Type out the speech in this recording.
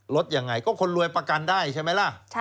ลดยังไงก็คนรวยประกันได้ใช่ไหมล่ะ